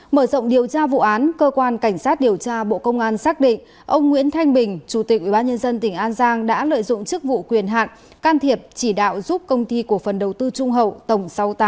mở rộng điều tra vụ án cơ quan cảnh sát điều tra bộ công an xác định ông nguyễn thanh bình chủ tịch ubnd tỉnh an giang đã lợi dụng chức vụ quyền hạn can thiệp chỉ đạo giúp công ty cổ phần đầu tư trung hậu tổng sáu mươi tám